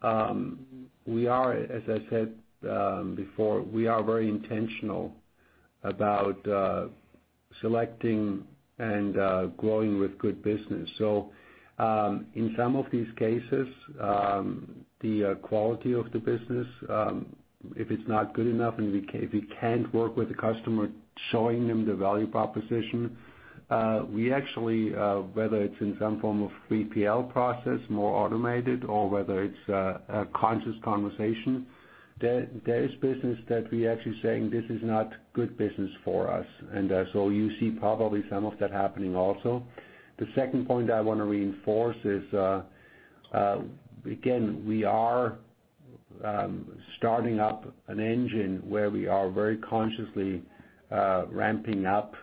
B: as I said before, we are very intentional about selecting and growing with good business. In some of these cases, the quality of the business, if it's not good enough and if we can't work with the customer, showing them the value proposition, we actually, whether it's in some form of VPL process, more automated, or whether it's a conscious conversation, there is business that we are actually saying, "This is not good business for us." You see probably some of that happening also. The second point I want to reinforce is, again, we are starting up an engine where we are very consciously ramping up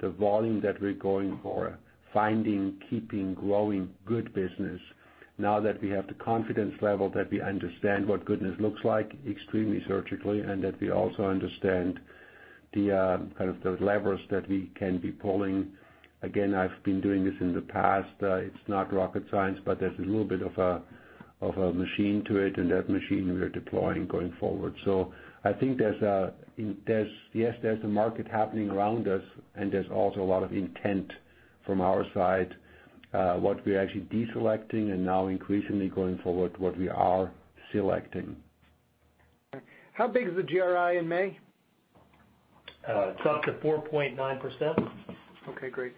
B: the volume that we're going for, finding, keeping, growing good business now that we have the confidence level that we understand what goodness looks like extremely surgically, and that we also understand the levers that we can be pulling. Again, I've been doing this in the past. It's not rocket science, but there's a little bit of a machine to it, and that machine we are deploying going forward. I think yes, there's a market happening around us, and there's also a lot of intent from our side, what we're actually deselecting and now increasingly going forward, what we are selecting.
I: How big is the GRI in May?
C: It's up to 4.9%.
I: Okay, great.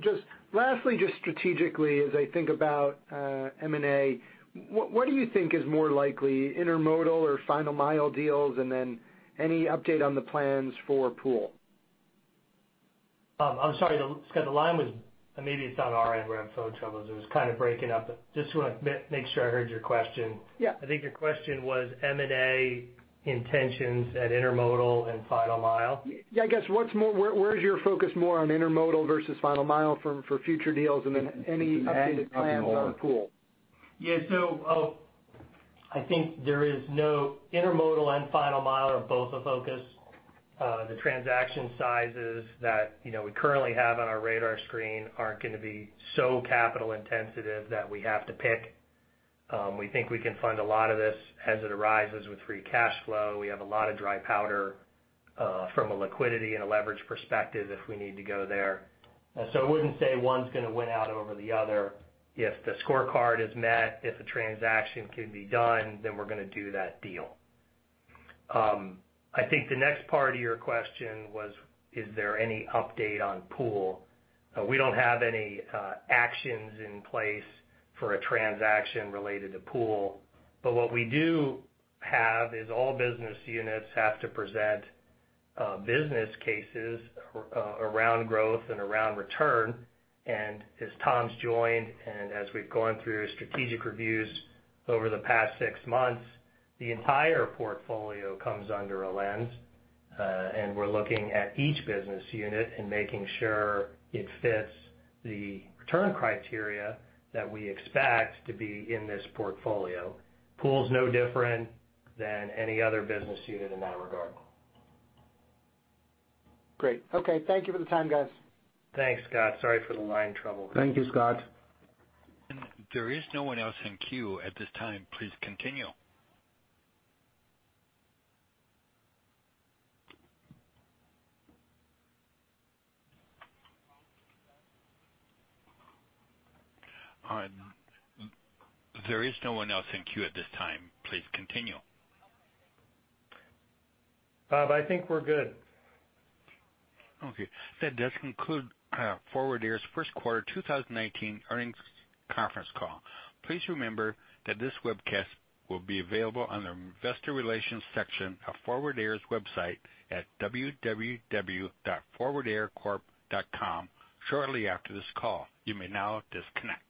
I: Just lastly, just strategically, as I think about M&A, what do you think is more likely, intermodal or final mile deals? Any update on the plans for Pool?
C: I'm sorry, Scott, Maybe it's on our end. We're having phone troubles. It was kind of breaking up, but just want to make sure I heard your question.
I: Yeah.
C: I think your question was M&A intentions at intermodal and final mile?
I: Yeah, I guess, where is your focus more on intermodal versus final mile for future deals? Any updated plans on Pool?
C: I think intermodal and final mile are both a focus. The transaction sizes that we currently have on our radar screen aren't going to be so capital-intensive that we have to pick. We think we can fund a lot of this as it arises with free cash flow. We have a lot of dry powder from a liquidity and a leverage perspective if we need to go there. I wouldn't say one's going to win out over the other. If the scorecard is met, if a transaction can be done, then we're going to do that deal. I think the next part of your question was, is there any update on Pool? We don't have any actions in place for a transaction related to Pool. What we do have is all business units have to present business cases around growth and around return. As Tom's joined and as we've gone through strategic reviews over the past six months, the entire portfolio comes under a lens, and we're looking at each business unit and making sure it fits the return criteria that we expect to be in this portfolio. Pool's no different than any other business unit in that regard.
I: Great. Okay. Thank you for the time, guys.
C: Thanks, Scott. Sorry for the line trouble.
B: Thank you, Scott.
A: There is no one else in queue at this time. Please continue.
C: Bob, I think we're good.
A: Okay. That does conclude Forward Air's first quarter 2019 earnings conference call. Please remember that this webcast will be available on the investor relations section of Forward Air's website at www.forwardaircorp.com shortly after this call. You may now disconnect.